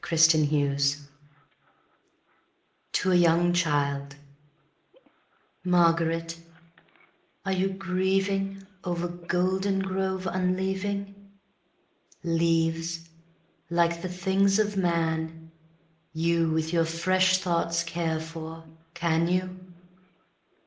Spring and Fall to a young childMÁRGARÉT, áre you gríevingOver Goldengrove unleaving? Leáves, líke the things of man, youWith your fresh thoughts care for, can you?